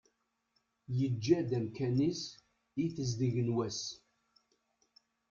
Yeǧǧa-d amkan-is i tezdeg n wass.